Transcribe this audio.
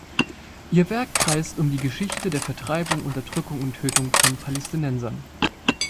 Ihr Werk kreist um die Geschichte der Vertreibung, Unterdrückung und Tötung von Palästinensern.